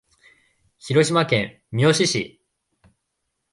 広島県三次市